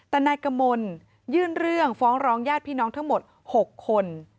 แต่นายกมลยื่นเรื่องฟ้องร้องญาติพี่น้องทั้งหมด๖คน